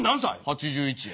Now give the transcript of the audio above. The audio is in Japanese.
８１や。